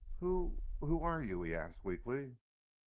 "Who ... who are you?" he asked weakly.